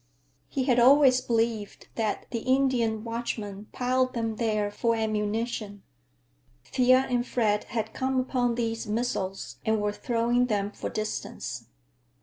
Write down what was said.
He had always believed that the Indian watchmen piled them there for ammunition. Thea and Fred had come upon these missiles and were throwing them for distance.